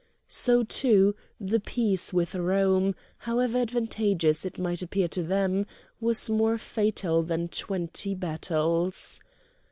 So, too, the peace with Rome, however advantageous it might appear to them, was more fatal than twenty battles.